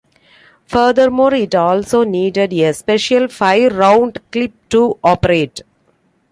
Furthermore, it also needed a special five-round clip to operate.